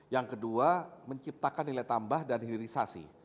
yang kedua menciptakan nilai tambah dan hilirisasi